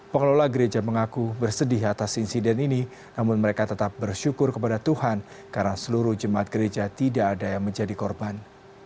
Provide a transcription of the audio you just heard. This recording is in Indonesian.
pengelola gereja mengaku bersedih atas insiden ini namun mereka tetap bersyukur kepada tuhan karena seluruh jemaat gereja tidak ada yang menjadi korban